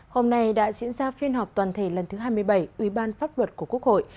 hôm nay đã diễn ra phiên họp toàn thể lần thứ hai mươi bảy ubnd của quốc hội